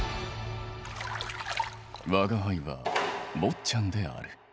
吾輩は坊っちゃんである。